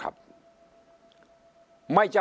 ฝ่ายชั้น